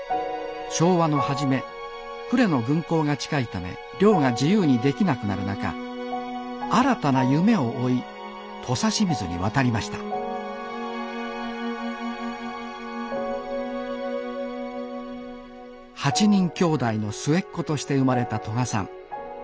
昭和の初め呉の軍港が近いため漁が自由にできなくなる中新たな夢を追い土佐清水に渡りました８人きょうだいの末っ子として生まれた問可さん。